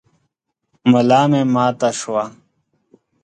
ملا مي ماته شوه .